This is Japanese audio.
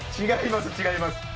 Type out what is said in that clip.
違います